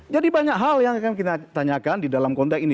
jadi banyak hal yang akan kita tanyakan di dalam konteks ini